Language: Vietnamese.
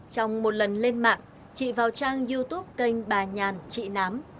trong một lần lên mạng trị vào trang youtube kênh bà nhàn trị nám